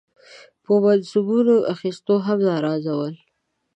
په منصبونو اخیستو هم ناراضه ول.